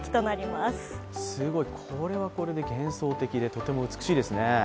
すごい、これはこれで幻想的でとても美しいですね。